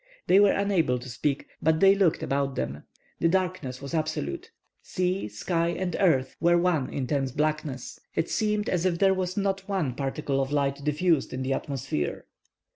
They were unable to speak, but they looked about them. The darkness was absolute. Sea, sky, and earth, were one intense blackness. It seemed as if there was not one particle of light diffused in the atmosphere.